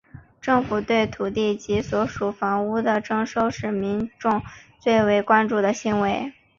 政府对土地及所属房屋的征收是民众最为关注的行为。